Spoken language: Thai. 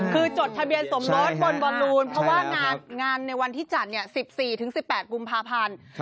คือจดทะเบียนสมรสบนบอลลูนเพราะว่างานในวันที่จัด๑๔๑๘กุมภาพันธ์